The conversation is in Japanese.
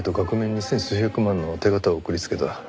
二千数百万の手形を送り続けた。